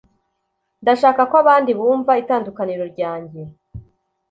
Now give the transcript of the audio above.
ndashaka ko abandi bumva itandukaniro ryanjye